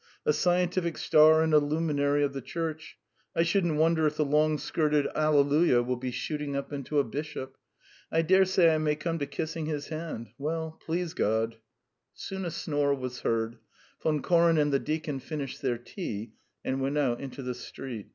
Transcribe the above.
.. A scientific star and a luminary of the Church. ... I shouldn't wonder if the long skirted alleluia will be shooting up into a bishop; I dare say I may come to kissing his hand. ... Well ... please God. ..." Soon a snore was heard. Von Koren and the deacon finished their tea and went out into the street.